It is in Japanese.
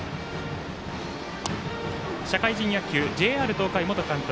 社会人野球ＪＲ東海元監督